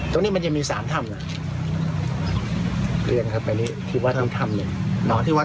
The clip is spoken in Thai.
เขาเอาโรงงานมาเช่นที่